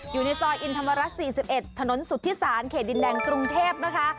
สุทธิษฐานเขดินแดงกรุงเทพฯนะคะ